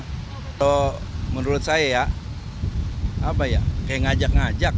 kalau menurut saya ya apa ya kayak ngajak ngajak